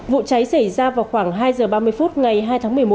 vụ cháy xảy ra vào khoảng hai giờ ba mươi phút ngày hai tháng một mươi một